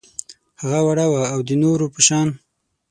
هغه وړه وه او د نورو په شان